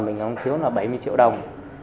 mình đang thiếu là bảy mươi triệu đồng